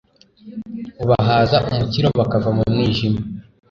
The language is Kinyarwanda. ubahaza umukiro bakava mu mwijima